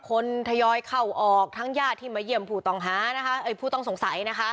คนทยอยเข้าออกทั้งย่าที่มาเยี่ยมผู้ต้องสงสัย